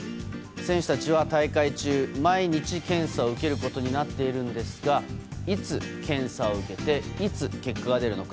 選手たちは大会中、毎日検査を受けることになっているんですがいつ検査を受けていつ結果が出るのか